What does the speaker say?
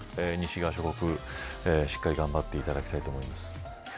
西側諸国、しっかり頑張っていただきたいと思います。